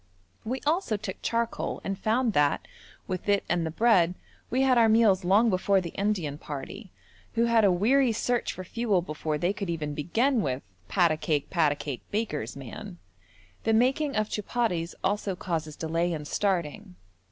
We also took charcoal and found that, with it and the bread, we had our meals long before the Indian party, who had a weary search for fuel before they could even begin with 'pat a cake, pat a cake, baker's man.' The making of chupatties also causes delay in starting.